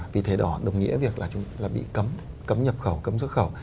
vì thay đỏ đồng nghĩa việc là bị cấm cấm nhập khẩu cấm xuất khẩu